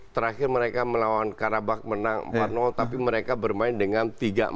terakhir mereka melawan karabak menang empat tapi mereka bermain dengan tiga empat